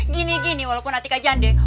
gini gini walaupun hati kajan deh